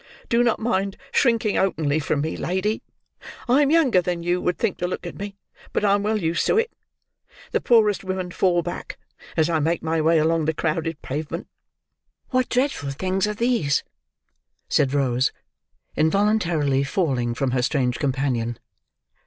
Do not mind shrinking openly from me, lady. I am younger than you would think, to look at me, but I am well used to it. The poorest women fall back, as I make my way along the crowded pavement." "What dreadful things are these!" said Rose, involuntarily falling from her strange companion.